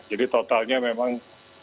jadi totalnya memang tiga puluh enam